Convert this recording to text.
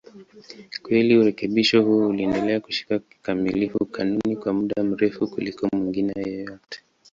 Kweli urekebisho huo uliendelea kushika kikamilifu kanuni kwa muda mrefu kuliko mengine yote.